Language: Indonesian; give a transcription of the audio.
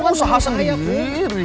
kamu kan teman saya viri